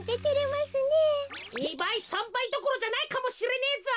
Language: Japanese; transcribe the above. ２ばい３ばいどころじゃないかもしれねえぞ。